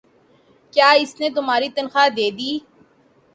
۔کیا اس نے تمہار تنخواہ دیدی؟